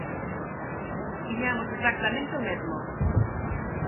Tiñamos exactamente o mesmo.